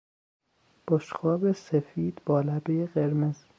بشقاب سفید با لبهی قرمز